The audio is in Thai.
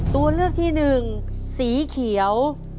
ตัวเลือกที่๑สีเขียว